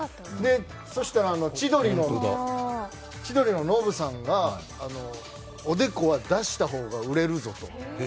そうしたら千鳥のノブさんがおデコは出した方が売れるぞと。